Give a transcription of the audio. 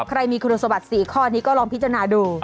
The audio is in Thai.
อ้ะใครมีคุณสมบัติสิเดี๋ยวอีกข้อนี้ก็ลองพิจารณาดู